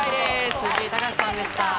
藤井隆さんでした。